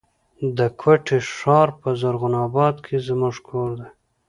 د کوټي ښار په زرغون آباد کي زموږ کور دی.